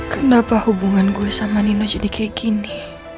kenapa hubungan gue sama nino jadi kayak gini